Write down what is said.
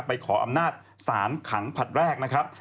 ขออำนาจสารขังผลัดแรกนะครับ